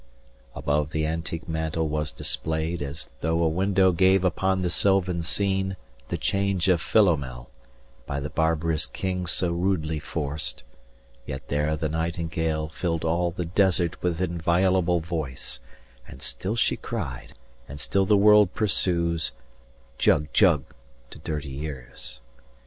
Above the antique mantel was displayed As though a window gave upon the sylvan scene The change of Philomel, by the barbarous king So rudely forced; yet there the nightingale 100 Filled all the desert with inviolable voice And still she cried, and still the world pursues, "Jug Jug" to dirty ears.